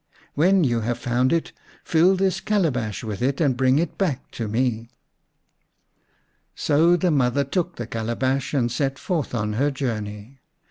When you have found it, fill this calabash with it and bring it back to me." So the mother took the calabash and set forth on her journey.